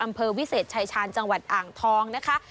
อำเภอวิเศษชายชาญจังหวัดอ่างทองนะคะ